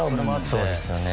そうですよね